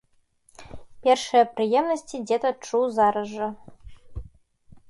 Першыя прыемнасці дзед адчуў зараз жа.